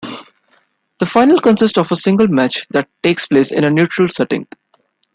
The final consists of a single match that takes place in a neutral setting.